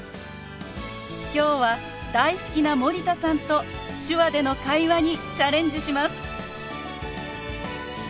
今日は大好きな森田さんと手話での会話にチャレンジします！